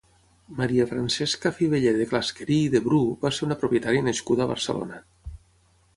Maria Francesca Fiveller de Clasquerí i de Bru va ser una propietària nascuda a Barcelona.